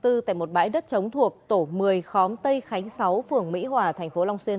tại một bãi đất chống thuộc tổ một mươi khóm tây khánh sáu phường mỹ hòa thành phố long xuyên